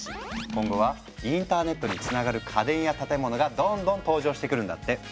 今後はインターネットにつながる家電や建物がどんどん登場してくるんだって。